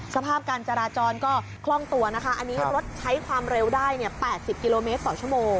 สภาพการจราจรก็คล่องตัวนะคะอันนี้รถใช้ความเร็วได้เนี่ย๘๐กิโลเมตรต่อชั่วโมง